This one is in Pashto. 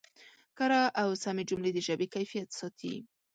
کره او سمې جملې د ژبې کیفیت ساتي.